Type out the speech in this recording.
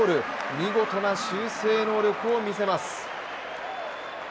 見事な修正能力を見せます。